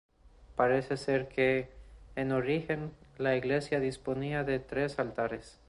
Parece ser que, en origen, la iglesia disponía de tres altares.